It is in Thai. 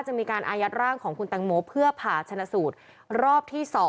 จะมีการอายัดร่างของคุณตังโมเพื่อผ่าชนะสูตรรอบที่๒